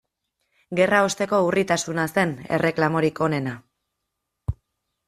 Gerraosteko urritasuna zen erreklamorik onena.